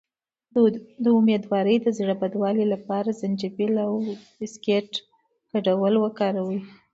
د امیدوارۍ د زړه بدوالي لپاره د زنجبیل او بسکټ ګډول وکاروئ